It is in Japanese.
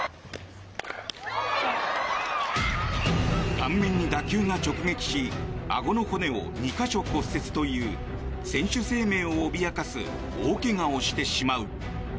顔面に打球が直撃しあごの骨を２か所骨折という選手生命を脅かす大怪我をしてしまう。